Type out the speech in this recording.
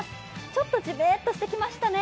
ちょっとじめっとしてきましたね。